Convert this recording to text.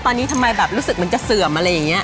ตอนนี้ทำไมแบบรู้สึกเหมือนจะเสื่อมอะไรอย่างนี้